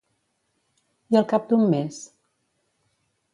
I al cap d'un mes?